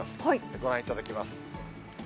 ご覧いただきます。